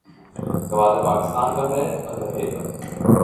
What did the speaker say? گودار پاکستان کاھے اور رہے گا